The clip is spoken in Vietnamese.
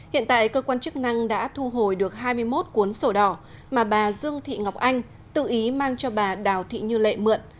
hiện tại cơ quan chức năng đã thu hồi được hai mươi một cuốn sổ đỏ mà bà dương thị ngọc anh tự ý mang cho bà đào thị như lệ mượn